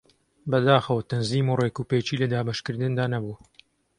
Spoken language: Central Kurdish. بەداخەوە تەنزیم و ڕێکوپێکی لە دابەشکردندا نەبوو